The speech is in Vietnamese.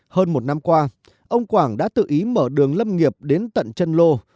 hơn một năm qua ông quảng đã tự ý mở đường lâm nghiệp đến tận chân lô